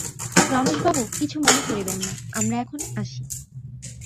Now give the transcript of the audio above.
রমেশবাবু, কিছু মনে করিবেন না, আমরা এখন আসি।